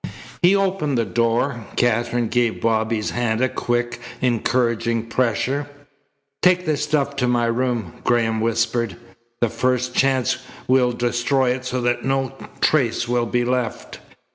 He opened the door. Katherine gave Bobby's hand a quick, encouraging pressure. "Take the stuff to my room," Graham whispered. "The first chance, we'll destroy it so that no trace will be left."